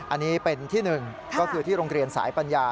อันนี้เป็นที่หนึ่งก็คือที่โรงเรียนสายปัญญา